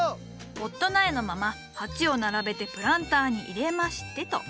ポット苗のまま鉢を並べてプランターに入れましてと。